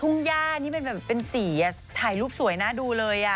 ทุ่งหญ้านี่แบบเป็นสีอ่ะถ่ายรูปสวยหน้าดูเลยอ่ะ